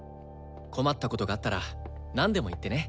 困ったことがあったらなんでも言ってね。